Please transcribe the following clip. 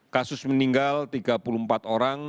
kasus meninggal tiga puluh empat orang